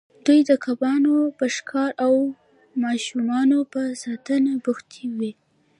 دوی د کبانو په ښکار او ماشومانو په ساتنه بوختې وې.